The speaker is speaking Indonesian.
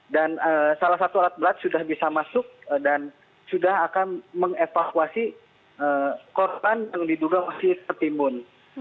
dan salah satu alat berat sudah bisa masuk dan sudah akan mengevakuasi korban yang diduga masih tertimbun